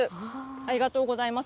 ありがとうございます。